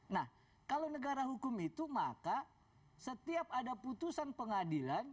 nah kalau negara hukum itu maka setiap ada putusan pengadilan